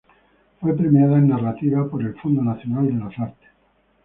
Fue premiada en narrativa por el Fondo Nacional de las Artes.